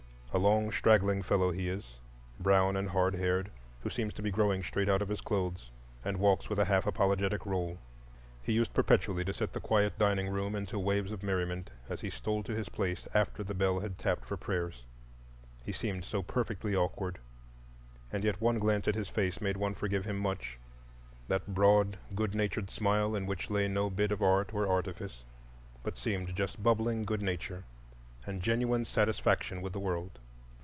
A long, straggling fellow he is, brown and hard haired, who seems to be growing straight out of his clothes, and walks with a half apologetic roll. He used perpetually to set the quiet dining room into waves of merriment, as he stole to his place after the bell had tapped for prayers; he seemed so perfectly awkward. And yet one glance at his face made one forgive him much,—that broad, good natured smile in which lay no bit of art or artifice, but seemed just bubbling good nature and genuine satisfaction with the world.